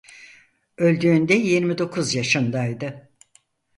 Öldüğünde yirmi dokuz yaşındaydı.